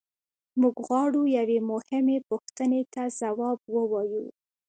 موږ غواړو یوې مهمې پوښتنې ته ځواب ووایو.